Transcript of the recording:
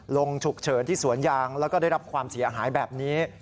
ฉุกเฉินที่สวนยางแล้วก็ได้รับความเสียหายแบบนี้